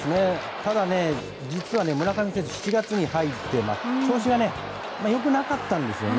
ただ、実は村上選手７月に入って調子が良くなかったんですよね。